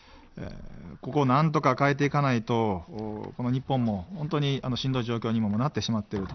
ここをなんとか変えていかないと日本も本当にしんどい状況にもなってしまってる。